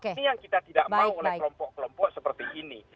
ini yang kita tidak mau oleh kelompok kelompok seperti ini